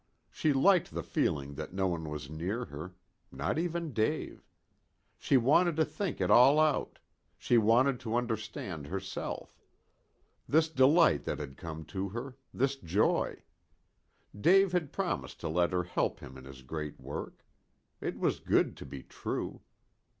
She liked the feeling that no one was near her not even Dave. She wanted to think it all out. She wanted to understand herself. This delight that had come to her, this joy. Dave had promised to let her help him in his great work. It was too good to be true.